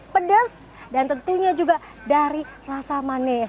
pedas dan tentunya juga dari rasa manis